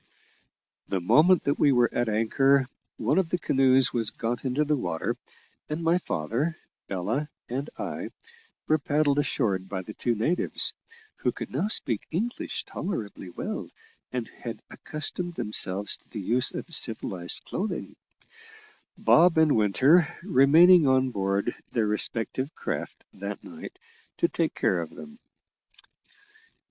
The moment that we were at anchor one of the canoes was got into the water, and my father, Ella, and I were paddled ashore by the two natives (who could now speak English tolerably well, and had accustomed themselves to the use of civilised clothing), Bob and Winter remaining on board their respective craft that night to take care of them.